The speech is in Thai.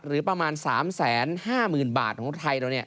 หรือประมาณ๓แสน๕หมื่นบาทของไทยเราเนี่ย